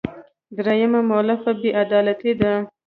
درېیمه مولفه بې عدالتي ده.